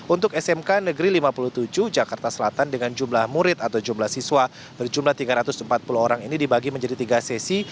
untuk smk negeri lima puluh tujuh jakarta selatan dengan jumlah murid atau jumlah siswa berjumlah tiga ratus empat puluh orang ini dibagi menjadi tiga sesi